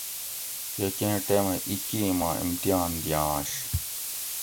یہ کیں ٹیمہ اکیماں امتحان دیانش